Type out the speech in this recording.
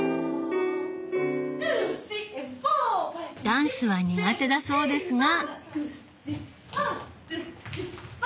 ダンスは苦手だそうですが。